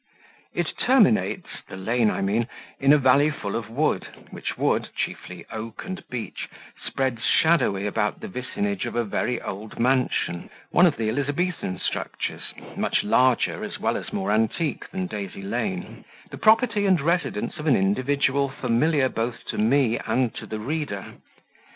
It terminates (the lane I mean) in a valley full of wood; which wood chiefly oak and beech spreads shadowy about the vicinage of a very old mansion, one of the Elizabethan structures, much larger, as well as more antique than Daisy Lane, the property and residence of an individual familiar both to me and to the reader.